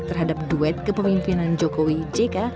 terhadap duet kepemimpinan jokowi jk